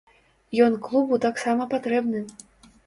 Ён клубу таксама патрэбны.